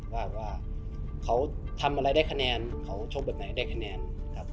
ว่าเขาทำอะไรได้คะแนนเขาชกแบบไหนได้คะแนนครับ